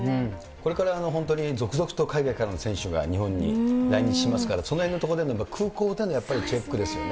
これから本当に続々と海外からの選手が日本に来日しますから、そのへんのところでの、空港でのチェックですよね。